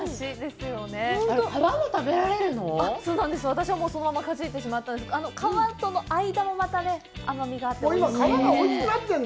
私はそのままかじってしまったんですが、皮との間もまた甘みがあって、おいしい。